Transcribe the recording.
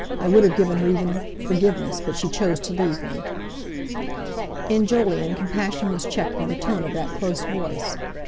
I would have given her even—forgiveness—but she chose to leave me." In Jolyon compassion was checked by the tone of that close voice.